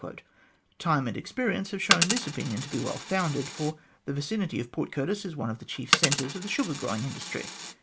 Time and experience have shown this opinion to be well founded, for the vicinity of Port Curtis is one of the chief centres of the sugar growing industry.